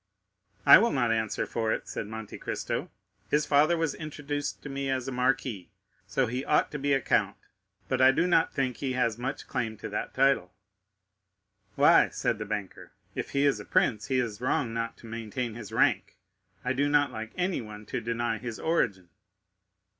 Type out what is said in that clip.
"I will not answer for it," said Monte Cristo. "His father was introduced to me as a marquis, so he ought to be a count; but I do not think he has much claim to that title." "Why?" said the banker. "If he is a prince, he is wrong not to maintain his rank; I do not like anyone to deny his origin."